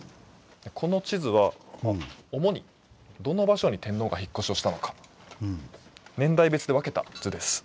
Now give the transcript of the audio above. この地図は主にどの場所に天皇が引っ越しをしたのか年代別で分けた図です。